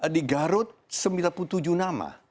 di garut sembilan puluh tujuh nama